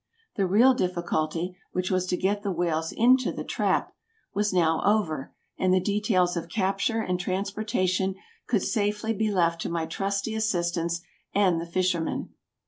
The real difficulty, which was to get the whales into the trap, was now over, and the details of capture and transportation could safely be left to my trusty assistants and the fishermen.